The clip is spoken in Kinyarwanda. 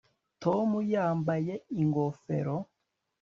tom yambaye ingofero